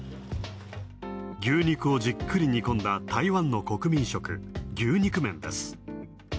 牛肉をじっくり煮込んだ台湾の国民食牛肉麺です。